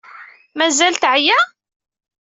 Mazal teɛya?